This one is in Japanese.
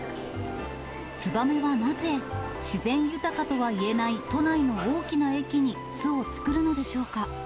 ツバメはなぜ、自然豊かとはいえない都内の大きな駅に巣を作るのでしょうか。